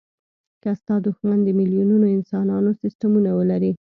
که ستا دوښمن د میلیونونو انسانانو سستمونه ولري.